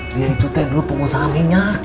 dia itu dulu pengusaha minyak